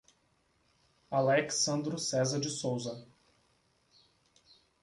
Alex Sandro Cesar de Sousa